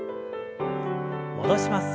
戻します。